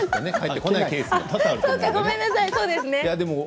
返ってこないケースもね